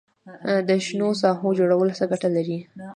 د شنو ساحو جوړول څه ګټه لري؟